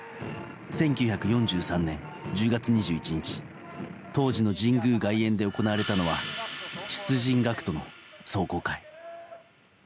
１９４３年１０月２１日当時の神宮外苑で行われたのは出陣学徒の壮行会。